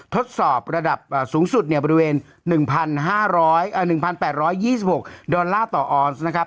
ทดสอบระดับสูงสุดเนี่ยบริเวณ๑๘๒๖ดอลลาร์ต่อออสนะครับ